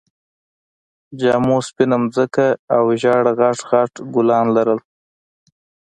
جامو سپينه ځمکه او ژېړ غټ غټ ګلان لرل